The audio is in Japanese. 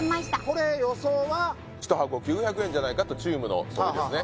これ予想は１箱９００円じゃないかとチームの総意ですね